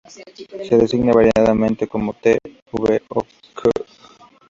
Se designa variadamente como "T", "V" o "Q".